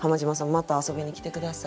また遊びに来て下さい。